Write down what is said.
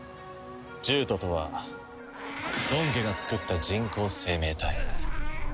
獣人とはドン家が作った人工生命体。